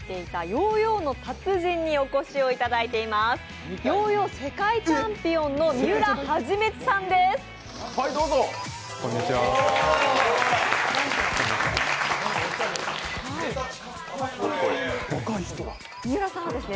ヨーヨー世界チャンピオンの三浦元さんです。